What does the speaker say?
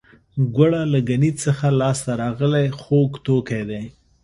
ګوړه له ګني څخه لاسته راغلی خوږ توکی دی